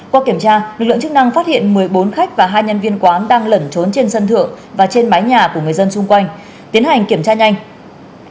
qua kiểm tra lực lượng chức năng phát hiện một mươi bốn khách và hai nhân viên quán đang lẩn trốn trên sân thượng và trên mái nhà của người dân xung quanh tiến hành kiểm tra nhanh